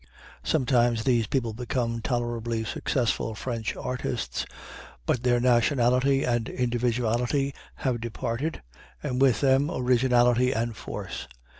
Sometimes these people become tolerably successful French artists, but their nationality and individuality have departed, and with them originality and force.